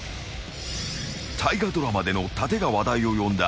［大河ドラマでの殺陣が話題を呼んだ